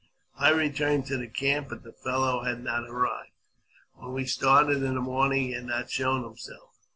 I returned to the camp, but the fellow had not arrived. When we started in the morning he had not shown himself.